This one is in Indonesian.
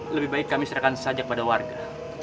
lebih baik kami serahkan saja kepada warga